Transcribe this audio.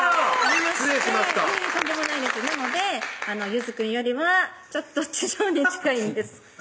いえとんでもないですなのでゆずくんよりはちょっと地上に近いんです